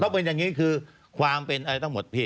เป็นอย่างนี้คือความเป็นอะไรทั้งหมดพี่